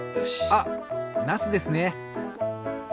あっなすですね。